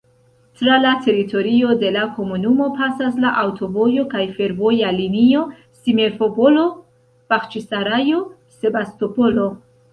Tra la teritorio de la komunumo pasas la aŭtovojo kaj fervoja linio Simferopolo—Baĥĉisarajo—Sebastopolo.